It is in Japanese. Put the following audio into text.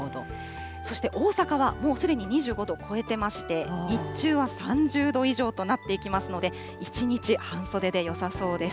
そして、大阪はもうすでに２５度を超えていまして、日中は３０度以上となっていきますので、一日、半袖でよさそうです。